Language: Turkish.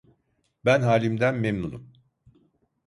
Ben halimden memnunum.